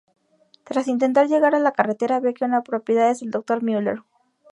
Tras intentar llegar a la carretera, ve que una propiedad es del Doctor Müller.